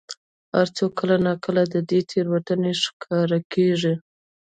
هر څوک کله نا کله د دې تېروتنې ښکار کېږي.